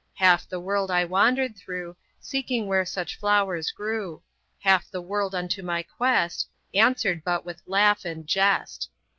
Half the world I wandered through, Seeking where such flowers grew; Half the world unto my quest Answered but with laugh and jest.